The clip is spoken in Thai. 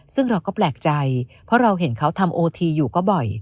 ซึ่งเราก็แปลกใจเพราะเราเห็นเขาทำโอทีอยู่ก็บ่อย